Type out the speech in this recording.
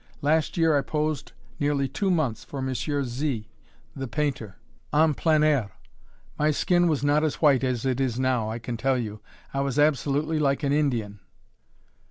Last year I posed nearly two months for Monsieur Z., the painter en plein air; my skin was not as white as it is now, I can tell you I was absolutely like an Indian!